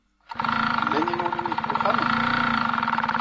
Llan yimawlan-nnek deg uxxam?